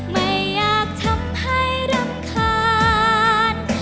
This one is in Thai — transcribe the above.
ไม่อยากทำให้รำคาญ